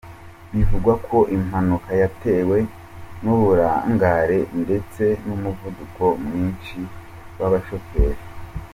Bivugwa ko impanuka yatewe n’uburangare ndetse n’umuvuduko mwinshi w’abashoferi.